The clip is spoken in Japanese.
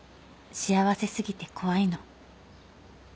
幸せすぎて怖いの」